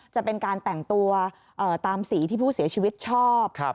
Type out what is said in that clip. จะเป็นการแต่งตัวตามสีที่ผู้เสียชีวิตชอบ